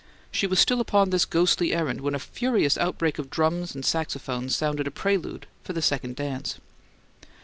She was still upon this ghostly errand when a furious outbreak of drums and saxophones sounded a prelude for the second dance.